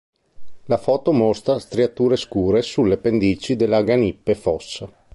La foto mostra striature scure sulle pendici dell'Aganippe Fossa.